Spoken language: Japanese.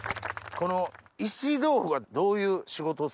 この石豆富がどういう仕事をするのか。